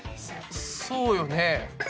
そうよね。